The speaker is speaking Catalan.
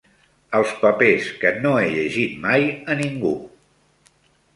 Els papers que no he llegit mai a ningú